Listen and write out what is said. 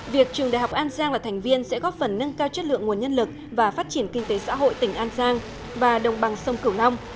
việc trường đại học an giang là thành viên sẽ góp phần nâng cao chất lượng nguồn nhân lực và phát triển kinh tế xã hội tỉnh an giang và đồng bằng sông cửu long